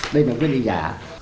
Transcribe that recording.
đây là quyết định giả